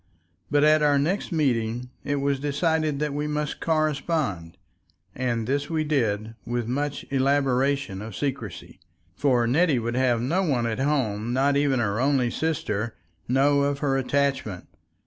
But at our next meeting it was decided that we must correspond, and this we did with much elaboration of secrecy, for Nettie would have no one at home, not even her only sister, know of her attachment.